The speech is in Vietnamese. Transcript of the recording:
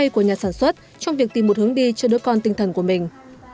của nhà sản xuất trong việc tìm một hướng đi cho đứa con tinh thần của mình